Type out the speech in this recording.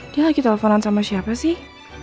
dia lagi teleponan sama siapa sih